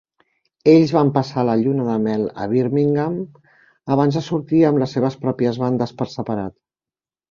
Ells van passar la lluny de mel a Birmingham abans de sortir amb les seves pròpies bandes per separat.